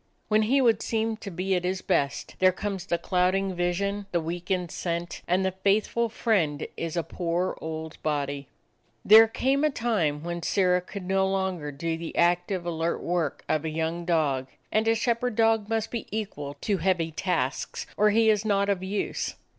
When he would seem to be at his best, there comes the clouding vision, the weakened scent, and the faithful friend is a poor old body. There came a time when Sirrah could no longer do the active, alert work of a young dog, and a shepherd dog must be equal to heavy tasks, or he is not of use.